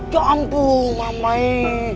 ya ampun mama e